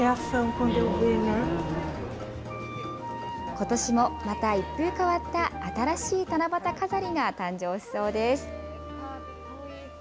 ことしもまた一風変わった新しい七夕飾りが誕生しそうです。